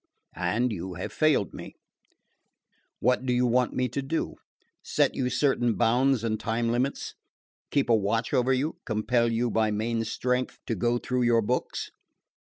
And you have failed me. What do you want me to do? Set you certain bounds and time limits? Keep a watch over you? Compel you by main strength to go through your books?